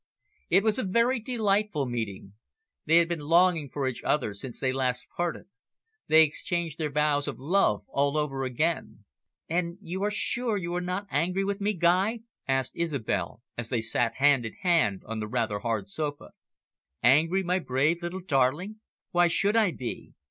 It was a very delightful meeting. They had been longing for each other since they last parted. They exchanged their vows of love all over again. "And you are sure you are not angry with me, Guy?" asked Isobel, as they sat hand in hand on the rather hard sofa. "Angry, my brave little darling. Why should I be?